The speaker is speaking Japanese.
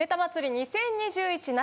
２０２１夏！！